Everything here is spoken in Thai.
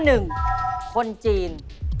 ข้อหนึ่งคนจีน